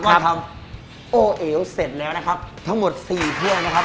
ทำโอเอวเสร็จแล้วนะครับทั้งหมดสี่ถ้วยนะครับ